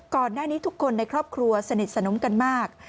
ก่อนหน้านี้ทุกคนในครอบครัวสนิทสนมกันมาก